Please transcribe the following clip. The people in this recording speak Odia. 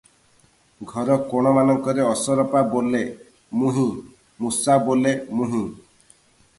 ଘର କୋଣମାନଙ୍କରେ ଅସରପା ବୋଲେ -ମୁହିଁ, ମୂଷା ବୋଲେ- ମୁହିଁ ।